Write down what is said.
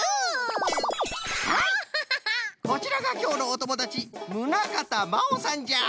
はいこちらがきょうのおともだちむなかたまおさんじゃ。